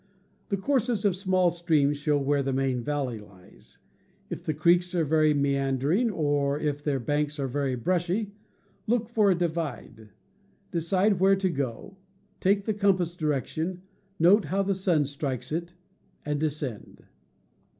The courses of small streams show where the main valley lies. If the creeks are very meander ing, or if their banks are very brushy, look for a divide. Decide where to go, take the compass direction, note how the sun strikes it, and descend.